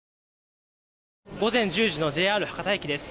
午前１０時のＪＲ博多駅です。